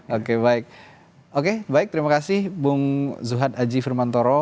oke baik oke baik terima kasih bung zuhad aji firmantoro